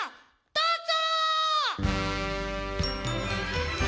どうぞ！